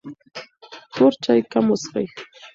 تور چای کم وڅښئ.